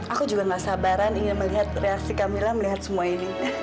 aku juga gak sabaran ingin melihat reaksi camillah melihat semua ini